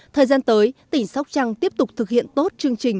thời gian tới tỉnh sóc trăng tiếp tục thực hiện tốt chương trình